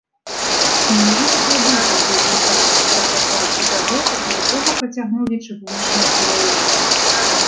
Менавіта тады тут з'явіўся нафтаперапрацоўчы завод, да якога працягнулі чыгуначную каляіну.